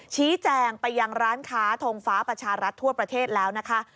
ชี้แจงไปยังร้านค้าทงฟ้าประชารัฐทั่วประเทศแล้วนะคะ